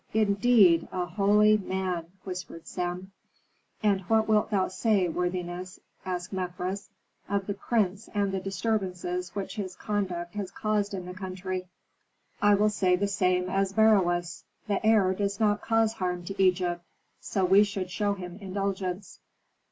Indeed, a holy man!" whispered Sem. "And what wilt thou say, worthiness," asked Mefres, "of the prince and the disturbances which his conduct has caused in the country?" "I will say the same as Beroes: 'The heir does not cause harm to Egypt, so we should show him indulgence.'"